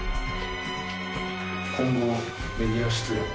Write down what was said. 今後メディア出演は？